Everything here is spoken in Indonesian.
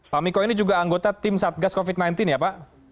pak miko ini juga anggota tim satgas covid sembilan belas ya pak